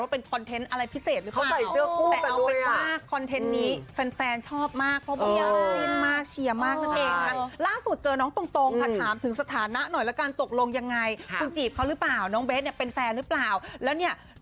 พี่ร้องจากเพลงแล้วเนี่ย